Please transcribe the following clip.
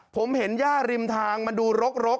ผมเห็นย่าริมทางมันดูรก